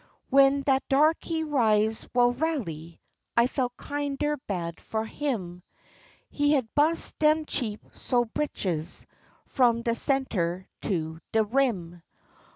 Wen dat darky riz, well raly, I felt kinder bad fu' him; He had bust dem cheap sto' britches f'om de center to de rim.